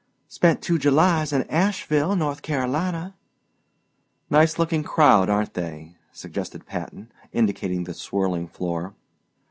"Spent two Julys in Asheville, North Carolina." "Nice looking crowd aren't they?" suggested Patton, indicating the swirling floor.